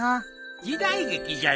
時代劇じゃよ。